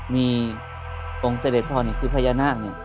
มีองค์เสดดพรคือพญานาคต์